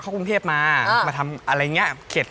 พอเข้ากรุงเทพมามาทำอะไรเงี้ย